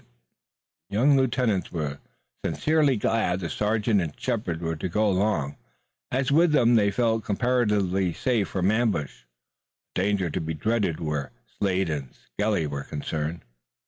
The young lieutenants were sincerely glad the sergeant and Shepard were to go along, as with them they felt comparatively safe from ambush, a danger to be dreaded where Slade and Skelly were concerned.